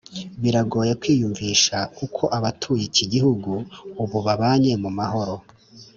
biragoye kwiyumvisha uko abatuye iki gihugu ubu babanye mu mahoro